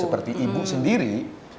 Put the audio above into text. berarti kan pak ganjar juga demikian